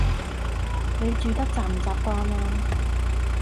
你住得習唔習慣呀